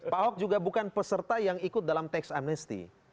pak ahok juga bukan peserta yang ikut dalam teks amnesti